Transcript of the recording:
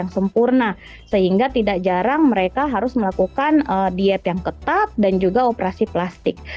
sempurna sehingga tidak jarang mereka harus melakukan diet yang ketat dan juga operasi plastik